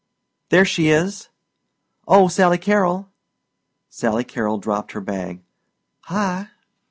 "There she is!" "Oh, Sally Carrol!" Sally Carrol dropped her bag. "Hi!"